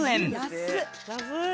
安い！